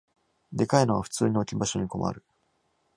でかいのは普通に置き場所に困る